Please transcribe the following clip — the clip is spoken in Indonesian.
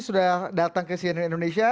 sudah datang ke cnn indonesia